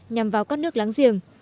nhằm vào các nước láng giềng